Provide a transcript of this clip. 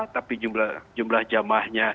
tapi jumlah jamahnya